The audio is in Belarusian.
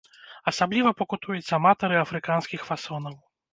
Асабліва пакутуюць аматары афрыканскіх фасонаў.